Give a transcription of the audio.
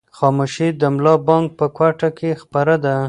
خاموشي د ملا بانګ په کوټه کې خپره ده.